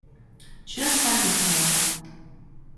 Just like the song.